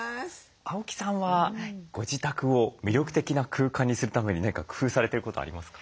青木さんはご自宅を魅力的な空間にするために何か工夫されてることありますか？